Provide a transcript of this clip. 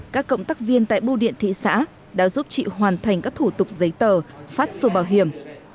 các cộng tác viên tại bưu điện thị xã đã giúp chị hoàn thành các thủ tục giấy tờ phát số bảo hiểm